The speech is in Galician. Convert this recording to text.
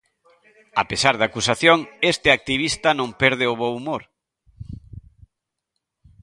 A pesar da acusación, este activista non perde o bo humor.